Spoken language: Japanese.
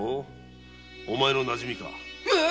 お前のなじみか？